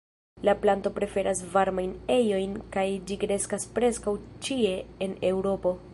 La planto preferas varmajn ejojn kaj ĝi kreskas preskaŭ ĉie en Eŭropo.